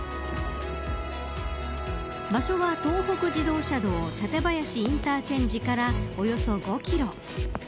場所は東北自動車道館林インターチェンジからおよそ５キロ。